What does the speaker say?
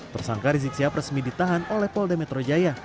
tersangka rizik sihab resmi ditahan oleh polda metro jaya